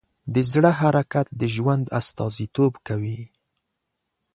د زړه حرکت د ژوند استازیتوب کوي.